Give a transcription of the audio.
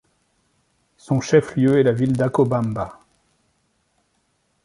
Son chef-lieu est la ville d'Acobamba.